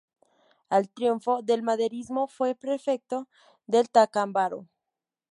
Al triunfo del maderismo fue prefecto de Tacámbaro.